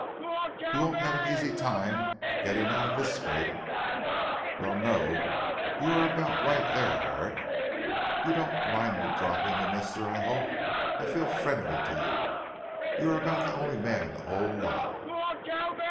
"Humph! You won't have an easy time getting out of this scrape." "Well no, you're about right there Herrick. You don't mind me dropping the Mister I hope. I feel friendly to you. You're about the only man of the whole lot.